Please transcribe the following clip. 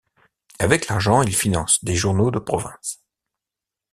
Avec l'argent, il finance des journaux de province.